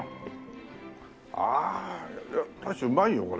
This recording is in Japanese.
ああ大将うまいよこれ。